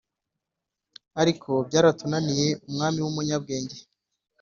Ariko byaratunaniye umwami w’umunyabwenge